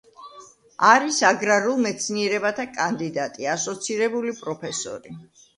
არის აგრარულ მეცნიერებათა კანდიდატი, ასოცირებული პროფესორი.